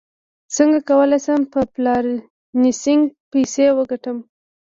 څنګه کولی شم په فریلانسینګ پیسې وګټم